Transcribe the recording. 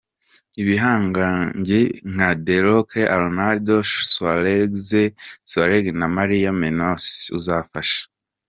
Ibihangange nka The Rock, Arnold Schwarzenegger, na Maria Menounos uzafasha.